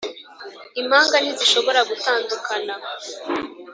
impanga ntizishobora gutandukana.